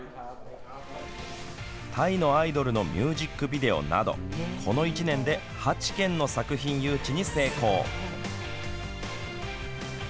タイのアイドルのミュージックビデオなどこの１年で８件の作品誘致に成功。